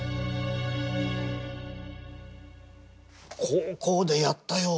高校でやったよ。